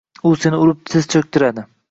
U seni urib tiz cho’ktiradi.